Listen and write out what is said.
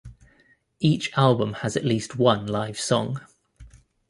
Each album has at least one live song.